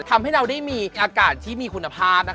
ทำให้เราได้มีอากาศที่มีคุณภาพ